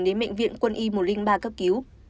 đến bệnh viện quân y một trăm linh ba cấp cứu